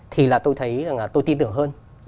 thì là tôi thấy là tôi tin thưởng hơn